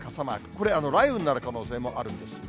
これ、雷雨になる可能性もあるんです。